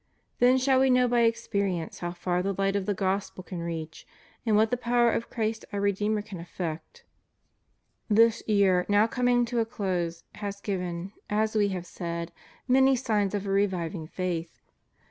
Then shall we know by experience how far the light of the Gospel can reach, and what the power of Christ our Re deemer can effect. This year, now coming to a close, has given, as We have said, many signs of a reviving faith.